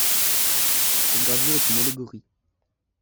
Cette gravure est une allégorie.